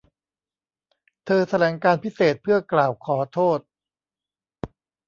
เธอแถลงการพิเศษเพื่อกล่าวขอโทษ